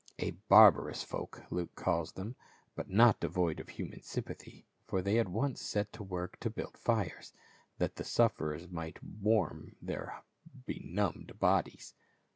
A "barbarous folk," Luke calls them, but not devoid of human sympathy, for they at once set to work to build fires, that the sufferers might warm their benumbed bodies.